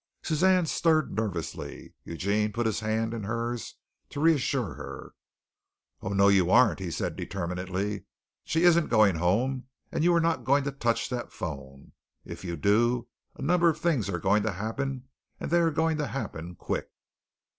Suzanne stirred nervously. Eugene put his hand in hers to reassure her. "Oh, no, you aren't," he said determinedly. "She isn't going home, and you are not going to touch that phone. If you do, a number of things are going to happen, and they are going to happen quick."